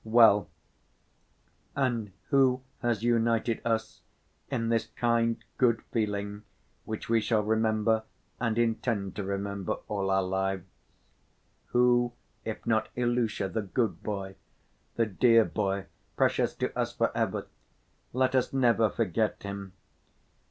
Well, and who has united us in this kind, good feeling which we shall remember and intend to remember all our lives? Who, if not Ilusha, the good boy, the dear boy, precious to us for ever! Let us never forget him.